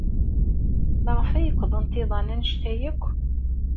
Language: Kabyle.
Maɣef ay ukḍent iḍan anect-a akk?